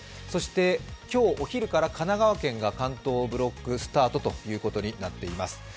そして、今日お昼から神奈川県が関東ブロックスタートということになっています。